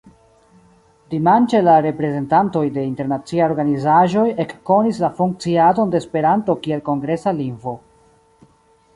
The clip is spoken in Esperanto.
Dimanĉe la reprezentantoj de internaciaj organizaĵoj ekkonis la funkciadon de Esperanto kiel kongresa lingvo.